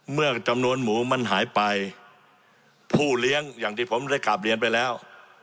เมื่อจำนวนหมูมันหายไปผู้เลี้ยงอย่างที่ผมได้กราบเรียนไปแล้ว